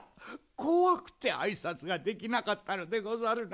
こわくてあいさつができなかったのでござるな。